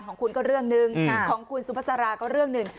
ของคุณก็เรื่องหนึ่งของคุณสุภาษาราก็เรื่องหนึ่ง